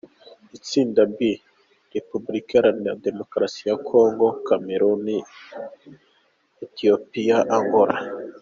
Itsinda B : Repubulika Iharanira Demokarasi ya Congo, Cameroun, Ethiopia, Angola.